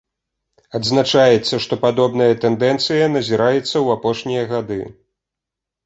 Адзначаецца, што падобная тэндэнцыя назіраецца ў апошнія гады.